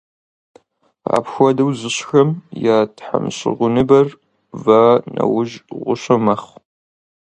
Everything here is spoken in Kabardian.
Апхуэдэу зыщӀхэм я тхьэмщӀыгъуныбэр ва нэужь гъущэ мэхъу.